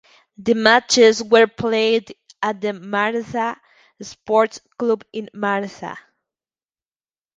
The matches were played at the Marsa Sports Club in Marsa.